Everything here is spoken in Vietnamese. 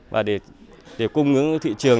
và để cung ứng thị trường